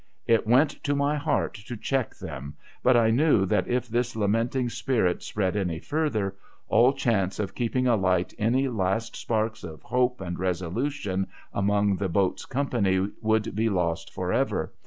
It went to my heart to check them ; but I knew that if this lamenting spirit spread any further, all chance of keeping alight any last sparks of hope and resolution among the boat's company would be lost for ever.